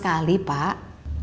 kan anaknya kembar